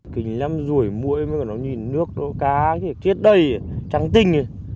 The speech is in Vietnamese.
kinh lắm rủi muỗi mới có nó nhìn nước đó cá chết đầy trắng tinh